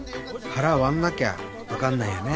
腹割んなきゃわかんないよね。